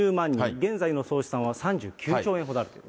現在の総資産は３９兆円ほどあるという。